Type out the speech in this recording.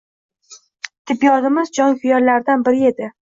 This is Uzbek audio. Tibbiyotimiz jonkuyarlaridan biri edi